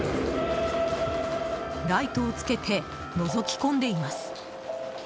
ライトをつけてのぞき込んでいます。